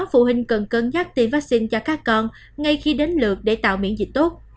phụ huynh cần cân nhắc tiêm vaccine cho các con ngay khi đến lượt để tạo miễn dịch tốt